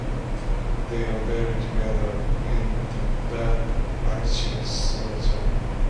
They are buried together in the Bad Ischl Cemetery.